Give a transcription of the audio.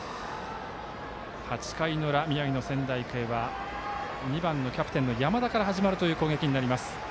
８回の裏、宮城の仙台育英は２番のキャプテンの山田から始まる攻撃となります。